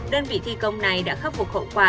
đơn vị thi công này đã khắc phục hậu quả